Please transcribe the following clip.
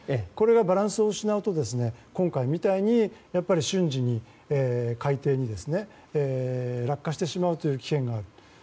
バランスを失うと今回みたいに瞬時に海底に落下してしまうという危険がある。